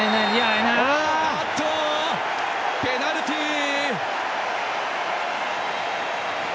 ペナルティー！